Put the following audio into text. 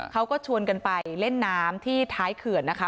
เขาก็ชวนกันไปเล่นน้ำที่ท้ายเขื่อนนะคะ